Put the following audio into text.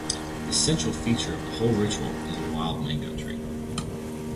The central feature of the whole ritual is a wild mango tree.